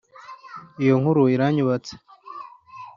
iyo nkuru iranyubatse